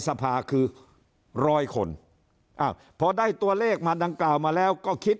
สภาคคือ๑๐๐คนพอได้ตัวเลขมาดังกล่าวมาแล้วก็คิด